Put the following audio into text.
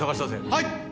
はい！